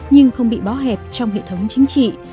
nhưng không bị bó hẹp trong hệ thống chính trị